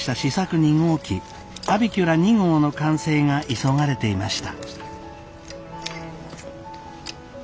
２号機アビキュラ２号の完成が急がれていました。